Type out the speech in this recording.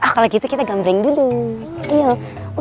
ah kalau gitu kita gambring dulu